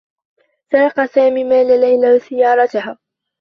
سرق سامي مال ليلى و سيّارتها.